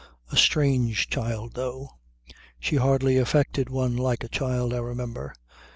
A strange child though; she hardly affected one like a child, I remember.